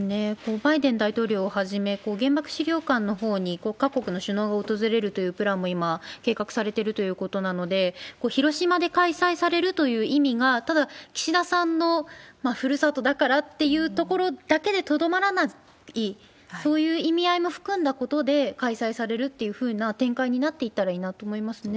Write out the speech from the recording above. バイデン大統領をはじめ、原爆資料館のほうに各国の首脳が訪れるというプランも今、計画されてるということなので、広島で開催されるという意味が、ただ岸田さんのふるさとだからっていうところだけでとどまらない、そういう意味合いも含んだことで開催されるっていうふうな展開になっていったらいいなと思いますね。